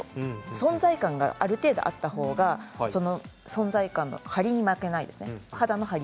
存在感が、ある程度あったほうがその存在感が肌の張りに負けないです。